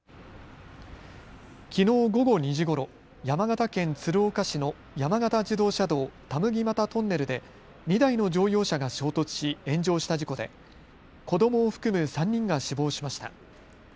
きのう午後２時ごろ山形県鶴岡市の山形自動車道田麦俣トンネルで２台の乗用車が衝突し炎上した事故で子どもを含む３人が死亡しました。